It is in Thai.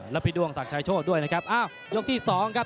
แล้วพี่ดวงศักดิ์ชายโชดด้วยนะครับ